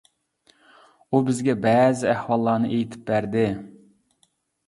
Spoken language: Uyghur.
ئۇ بىزگە بەزى ئەھۋاللارنى ئېيتىپ بەردى.